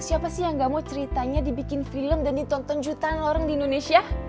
siapa sih yang gak mau ceritanya dibikin film dan ditonton jutaan orang di indonesia